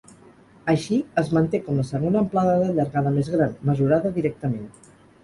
Així, es manté com la segona amplada de llargada més gran, mesurada directament.